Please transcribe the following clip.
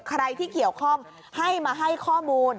ใครที่เกี่ยวข้องให้มาให้ข้อมูล